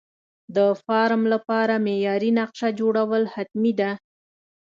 د فارم لپاره معیاري نقشه جوړول حتمي ده.